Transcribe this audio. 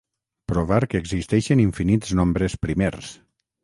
Provar que existeixen infinits nombres primers.